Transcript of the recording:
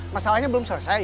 masalahnya belum selesai